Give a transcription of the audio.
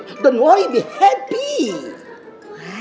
jangan khawatir jadi bahagia